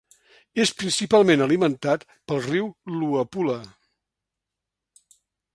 És principalment alimentat pel riu Luapula.